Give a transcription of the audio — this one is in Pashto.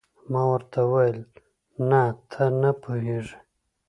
ما ورته وویل: نه، ته نه پوهېږې.